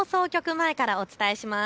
前からお伝えします。